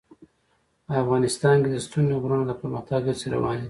افغانستان کې د ستوني غرونه د پرمختګ هڅې روانې دي.